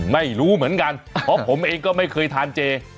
ไม่รู้เหมือนกันเพราะผมเองก็ไม่เคยทานเจ